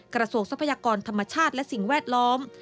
ทรัพยากรธรรมชาติและสิ่งแวดล้อม